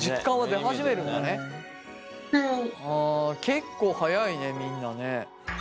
結構早いねみんなね。